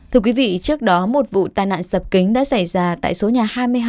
thưa quý vị trước đó một vụ tai nạn sập kính đã xảy ra tại số nhà hai mươi hai